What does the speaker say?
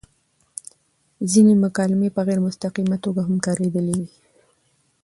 ځينې مکالمې په غېر مستقيمه توګه هم کاريدلي وې